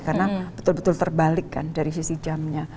karena betul betul terbalik kan dari sisi jamnya